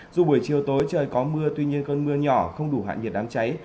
dù buổi chiều tối trời có mưa tuy nhiên cơn mưa nhỏ không đủ hạ nhiệt đám cháy